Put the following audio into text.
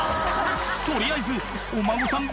取りあえずお孫さん